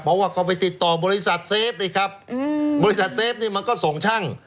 เพราะว่าเขาไปติดต่อบริษัทเซฟนี่ครับบริษัทเซฟนี่มันก็ส่งช่าง